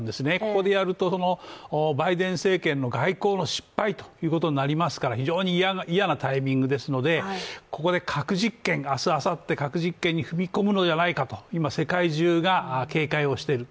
ここでやると、バイデン政権の外交の失敗ということになりますから非常に嫌なタイミングですので、明日、あさって核実験に踏み込むのではないかと今、世界中が警戒をしている。